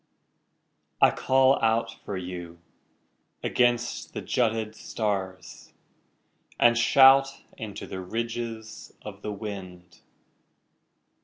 I call out for you against the jutted stars And shout into the ridges of the wind.